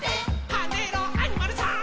「はねろアニマルさん！」